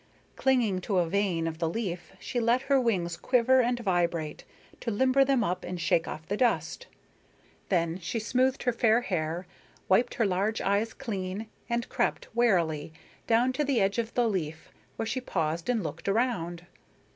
Clinging to a vein of the leaf she let her wings quiver and vibrate, to limber them up and shake off the dust; then she smoothed her fair hair, wiped her large eyes clean, and crept, warily, down to the edge of the leaf, where she paused and looked around.